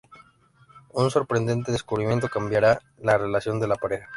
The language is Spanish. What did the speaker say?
Un sorprendente descubrimiento cambiará la relación de la pareja.